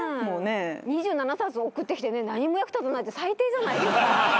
２７冊送ってきて何も役立たないって最低じゃないですか。